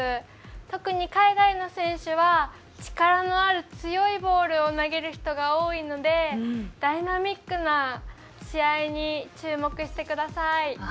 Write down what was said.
特に海外の選手は力のある強いボールを投げる人が多いのでダイナミックな試合に注目してください。